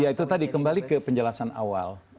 ya itu tadi kembali ke penjelasan awal